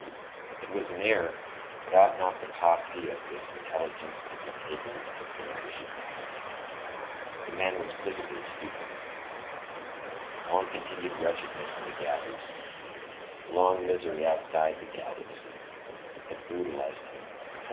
It was an error; but ought not the paucity of this intelligence to be taken into consideration? This man was visibly stupid. Long continued wretchedness in the galleys, long misery outside the galleys, had brutalized him, etc.